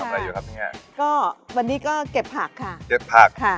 อะไรอยู่ครับที่เนี้ยก็วันนี้ก็เก็บผักค่ะเก็บผักค่ะ